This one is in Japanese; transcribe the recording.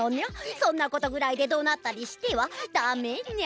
そんなことぐらいでどなったりしてはダメニャ。